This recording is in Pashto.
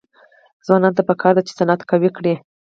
ځوانانو ته پکار ده چې، صنعت قوي کړي.